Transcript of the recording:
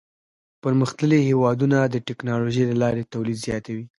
پرمختللي هېوادونه د ټکنالوژۍ له لارې تولید زیاتوي.